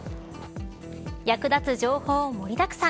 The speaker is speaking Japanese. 役立つ情報、盛りだくさん。